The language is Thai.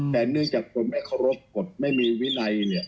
แต่เนื่องจากคนไม่เคารพกฎไม่มีวินัยเนี่ย